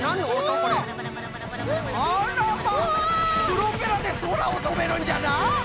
プロペラでそらをとべるんじゃな！